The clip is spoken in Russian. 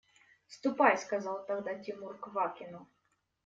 – Ступай, – сказал тогда Тимур Квакину.